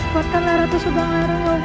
kuatkanlah ratus ubang larang allah